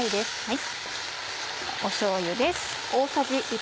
しょうゆです。